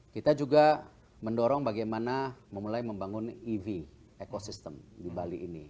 kita juga mendorong bagaimana memulai membangun ev ekosistem di bali ini